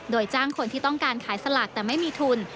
โดยจ้างคนที่ต้องการขายสลากแต่ไม่มีทุน